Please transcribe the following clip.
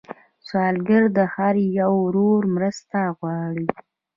سوالګر د هر یو ورور مرسته غواړي